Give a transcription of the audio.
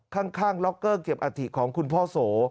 ข้างล็อกเกอร์เก็บอาถิของคุณพ่อโส